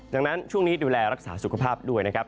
ดังนั้นช่วงนี้ดูแลรักษาสุขภาพด้วยนะครับ